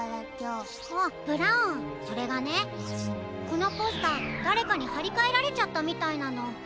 このポスターだれかにはりかえられちゃったみたいなの。